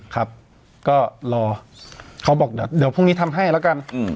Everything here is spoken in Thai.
ครับก็รอเขาบอกเดี๋ยวพรุ่งนี้ทำให้แล้วกัน